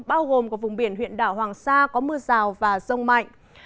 bao gồm cả vùng biển huyện đảo hoàng sa có mưa rào và rông mạnh